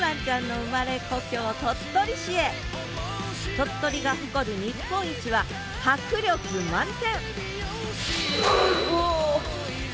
鳥取が誇る日本一は迫力満点！